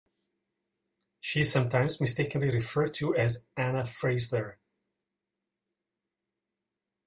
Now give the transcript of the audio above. She is sometimes mistakenly referred to as Anna Freisler.